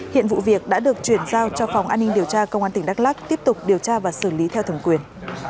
hiện vụ việc đã được chuyển giao cho phòng an ninh điều tra công an tỉnh đắk lắc tiếp tục điều tra và xử lý theo thẩm quyền